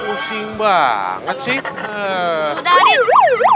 pusing banget sih